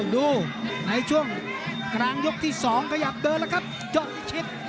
ดูในช่วงกลางยกที่๒ขยับเดินแล้วครับยอดวิชิต